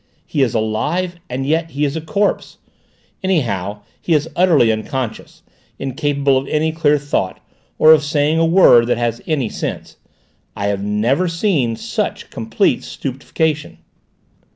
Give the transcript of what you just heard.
He is alive, and yet he is a corpse. Anyhow he is utterly unconscious, incapable of any clear thought, or of saying a word that has any sense. I have never seen such complete stupefaction."